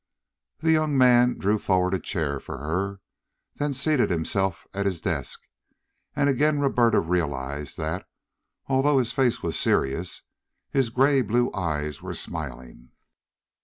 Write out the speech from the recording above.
The young man drew forward a chair for her, then seated himself at his desk, and again Roberta realized that, although his face was serious, his gray blue eyes were smiling.